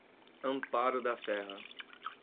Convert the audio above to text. Amparo da Serra